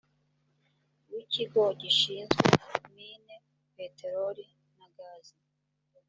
w ikigo gishinzwe mine peteroli na gazi